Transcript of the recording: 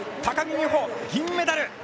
高木美帆、銀メダル！